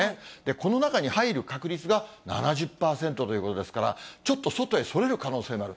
この中に入る確率が７０％ということですから、ちょっと外へそれる可能性がある。